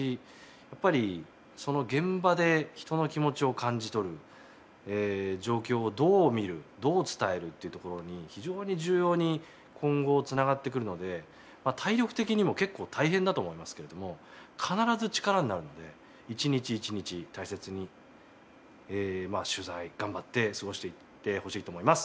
やっぱりその現場で人の気持ちを感じ取る状況をどう見るどう伝えるっていうところに非常に重要に今後繋がってくるのでまあ体力的にも結構大変だと思いますけれども必ず力になるので一日一日大切に取材頑張って過ごしていってほしいと思います。